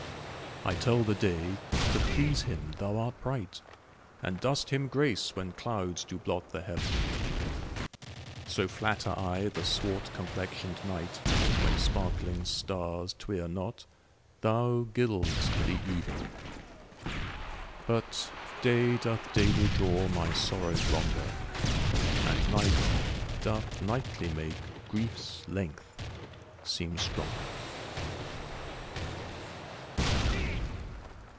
I tell the day, to please him thou art bright, And dost him grace when clouds do blot the heaven: So flatter I the swart complexion'd night, When sparkling stars twire not thou gild'st the even. But day doth daily draw my sorrows longer, And night doth nightly make grief's length seem stronger.